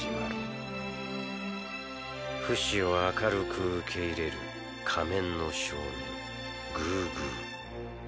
フシを明るく受け入れる仮面の少年グーグー。